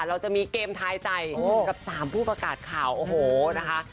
เราจะมีเกมทายใจกับ๓ผู้ประกาศข่าวโอ้โหนะคะ